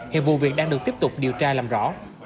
hiện vụ việc đang được tiếp tục điều tra làm rõ